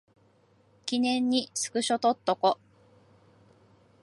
記念にスクショ撮っとこ